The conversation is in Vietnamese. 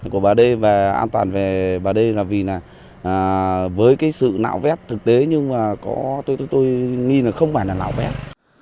của bà đê và an toàn về bà đê là vì là với cái sự nạo vép thực tế nhưng mà tôi nghĩ là không phải là nạo vép